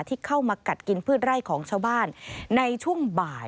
ที่เข้ามากัดกินพืชไร่ของชาวบ้านในช่วงบ่าย